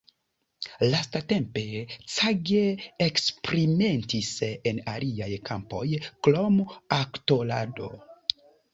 Lastatempe, Cage eksperimentis en aliaj kampoj krom aktorado.